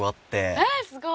えっすごい！